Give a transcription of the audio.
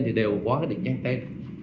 thì đều có cái định danh tên